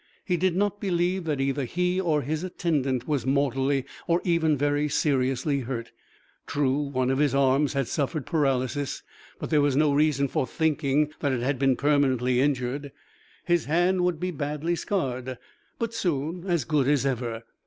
He did not believe that either he or his attendant was mortally or even very seriously hurt. True, one of his arms had suffered paralysis, but there was no reason for thinking it had been permanently injured. His hand would be badly scarred, but soon as good as ever.